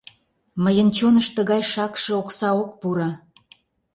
Мыйын чоныш тыгай шакше окса ок пуро!